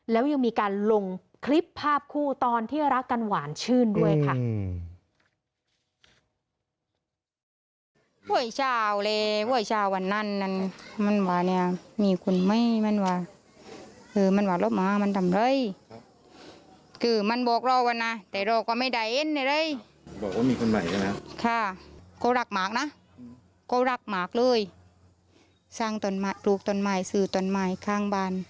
แล้วยังมีการลงคลิปภาพคู่ตอนที่รักกันหวานชื่นด้วยค่ะ